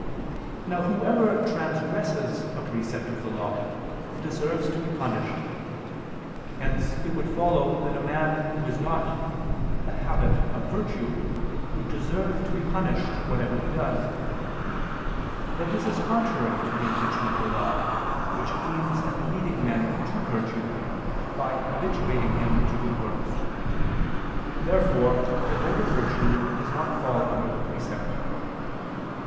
Now whoever transgresses a precept of the law, deserves to be punished. Hence it would follow that a man who has not the habit of virtue, would deserve to be punished, whatever he does. But this is contrary to the intention of the law, which aims at leading man to virtue, by habituating him to good works. Therefore the mode of virtue does not fall under the precept.